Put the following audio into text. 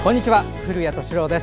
古谷敏郎です。